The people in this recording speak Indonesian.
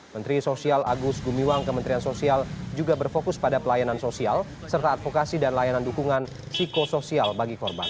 menteri sosial agus gumiwang kementerian sosial juga berfokus pada pelayanan sosial serta advokasi dan layanan dukungan psikosoial bagi korban